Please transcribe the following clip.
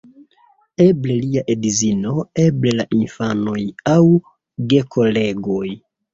Eble lia edzino, eble la infanoj aŭ gekolegoj.